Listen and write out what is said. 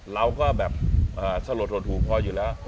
เราก็แบบสลดหดหูพออยู่แล้ว